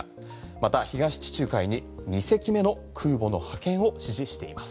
また、東地中海に２隻目の空母の派遣を指示しています。